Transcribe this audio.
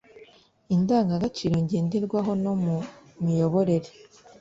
indangagaciro ngenderwaho no mu miyoborere.